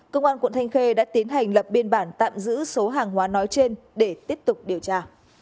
công an quận thanh khê đã tiến hành lập biên bản tạm giữ số hàng hóa nói trên để tiếp tục điều tra